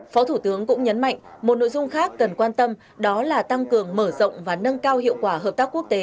phó thủ tướng cũng nhấn mạnh một nội dung khác cần quan tâm đó là tăng cường mở rộng và nâng cao hiệu quả hợp tác quốc tế